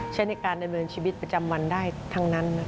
ใช้ในการดำเนินชีวิตประจำวันได้ทั้งนั้น